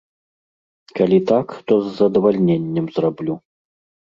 Калі так, то з задавальненнем зраблю.